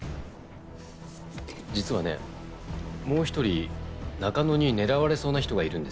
実はねもう一人中野に狙われそうな人がいるんですよ。